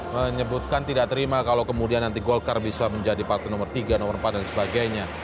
menyebutkan tidak terima kalau kemudian nanti golkar bisa menjadi partai nomor tiga nomor empat dan sebagainya